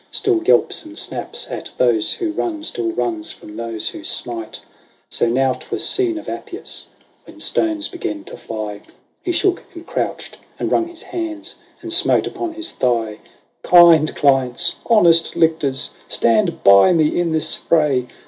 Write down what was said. Still yelps and snaps at those who run, still runs from those who smite. So now 't was seen of Appius. When stones began to fly. He shook, and crouched, and wrung his hands, and smote upon his thigh " Kind clients, honest lictors, stand by me in this fray